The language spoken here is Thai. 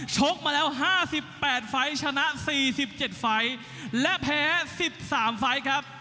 ชกมาแล้ว๕๘ฟัยชนะ๔๗ฟัยและแพ้๑๓ฟัยครับ